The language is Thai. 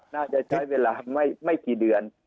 น่าจะใช้เวลาไม่กี่เดือน